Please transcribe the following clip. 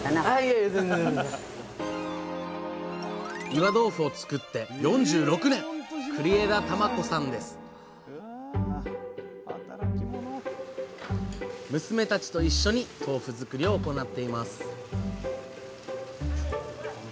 岩豆腐を作って４６年娘たちと一緒に豆腐作りを行っています